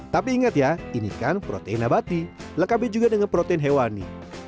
tapi ingat ya ini kan protein abati lengkapi juga dengan protein hewani